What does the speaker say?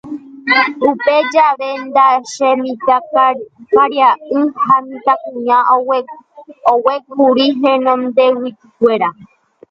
Upe javete ndaje mitãkaria'y ha mitãkuña oguékuri henondeguikuéra.